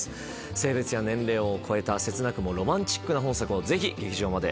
性別や年齢を超えた切なくもロマンチックな本作をぜひ劇場まで！